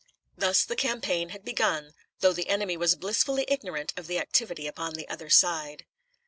Thus the campaign had begun, though the enemy was blissfully ignorant of the activity upon the other side.